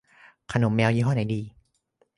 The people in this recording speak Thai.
ขนมแมว ยี่ห้อไหนดี